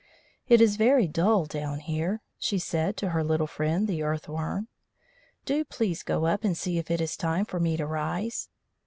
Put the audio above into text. "It is very dull down here," she said to her little friend, the Earth worm. "Do please go up and see if it is time for me to rise."